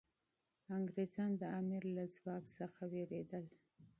انګریزان د امیر له ځواک څخه ویرېدل.